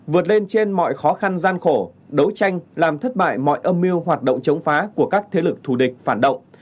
vượt lên trên mọi khó khăn gian khổ đấu tranh làm thất bại mọi âm mưu hoạt động chống phá của các thế lực thù địch phản động